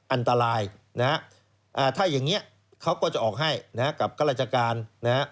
อันตรายนะฮะถ้าอย่างนี้เขาก็จะออกให้นะฮะกับข้าราชการนะฮะ